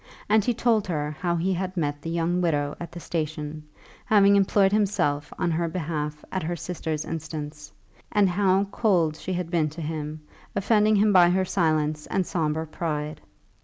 And he told her how he had met the young widow at the station, having employed himself on her behalf at her sister's instance; and how cold she had been to him, offending him by her silence and sombre pride.